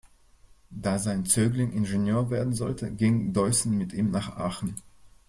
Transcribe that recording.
Da sein Zögling Ingenieur werden sollte, ging Deussen mit ihm nach Aachen.